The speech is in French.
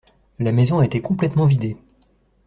La maison a été complètement vidée.